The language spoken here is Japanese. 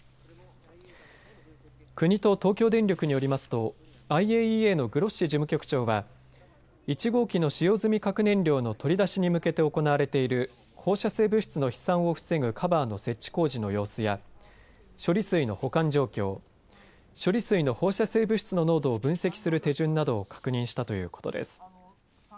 国と東京電力によりますとＩＡＥＡのグロッシ事務局長は１号機の使用済み核燃料の取り出しに向けて行われている放射性物質の飛散を防ぐカバーの設置工事の様子や処理水の保管状況処理水の放射性物質の濃度を分析する手順などを確認したということです。